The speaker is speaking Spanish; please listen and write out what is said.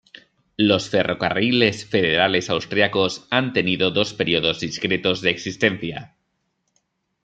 Los Ferrocarriles Federales Austríacos han tenido dos períodos discretos de existencia.